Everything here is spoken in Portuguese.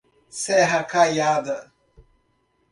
Serra Caiada